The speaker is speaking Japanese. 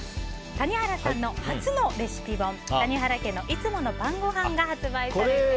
谷原さんの初のレシピ本「谷原家のいつもの晩ごはん」が発売されています。